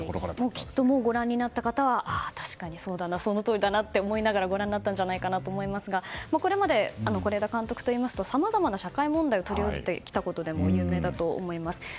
きっと、もうご覧になった方は確かにそうだなそのとおりだなと思いながらご覧になったと思いますがこれまで是枝監督といいますとさまざまな社会問題を取り上げてきたことでも有名だと思います。